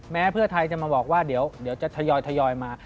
เพื่อไทยจะมาบอกว่าเดี๋ยวจะทยอยมา